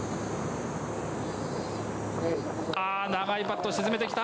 長いパットを沈めてきた。